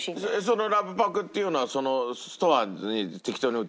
そのラブパクっていうのはストアに適当に売ってるの？